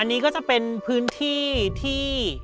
อันนี้ก็จะเป็นพื้นที่ที่